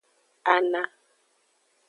Ana.